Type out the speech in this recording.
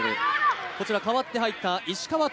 代わって入った石川斗